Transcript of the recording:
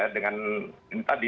dengan ini tadi